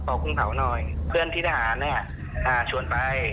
ส่งคือแล้วก็เข้าไปส่งไป